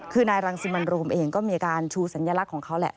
คือนายรังสิมันโรมเองก็มีอาการชูสัญลักษณ์ของเขาแหละ